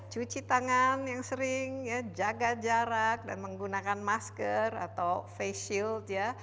cuci tangan yang sering ya jaga jarak dan menggunakan masker atau face shield ya